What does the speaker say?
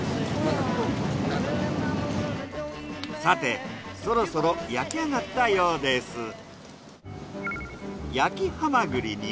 さてそろそろ焼きあがったようです。